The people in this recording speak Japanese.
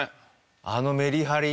あのメリハリ。